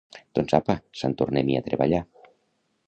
Doncs apa, sant tornem-hi a treballar!